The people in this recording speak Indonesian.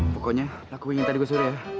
pokoknya lakuin yang tadi gue suruh ya